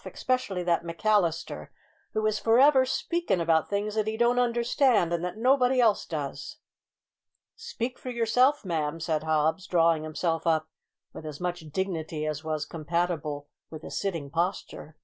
specially that McAllister, who is forever speakin' about things that he don't understand, and that nobody else does!" "Speak for yourself; ma'am," said Hobbs, drawing himself up with as much dignity as was compatible with a sitting posture.